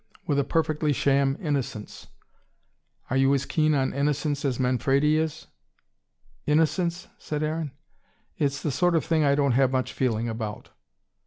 With a perfectly sham innocence. Are you as keen on innocence as Manfredi is?" "Innocence?" said Aaron. "It's the sort of thing I don't have much feeling about."